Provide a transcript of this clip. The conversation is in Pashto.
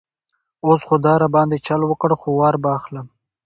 اوس خو ده را باندې چل وکړ، خو وار به اخلم.